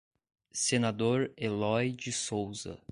Senador Elói de Souza